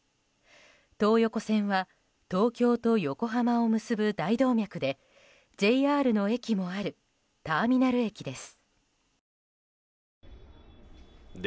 東横線は東京と横浜を結ぶ大動脈でＪＲの駅もあるターミナル駅です。